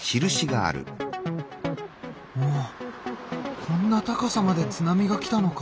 おっこんな高さまで津波が来たのか。